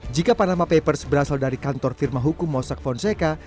jika panama papers berasal dari kantor firma hukum mosak fonseca